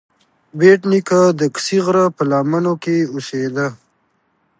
بېټ نیکه د کسي غره په لمنو کې اوسیده.